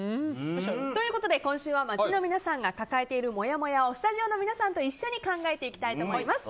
ということで今週は街の皆さんが抱えているもやもやをスタジオの皆さんと一緒に考えていきたいと思います。